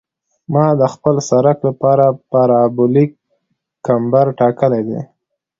ما د خپل سرک لپاره پارابولیک کمبر ټاکلی دی